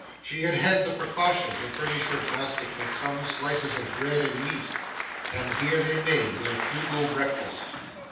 She had had the precaution to furnish her basket with some slices of bread and meat, and here they made their frugal breakfast.